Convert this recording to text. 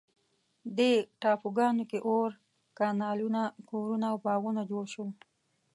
دې ټاپوګانو کې اور، کانالونه، کورونه او باغونه جوړ شول.